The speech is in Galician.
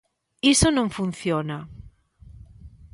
Iso non funciona!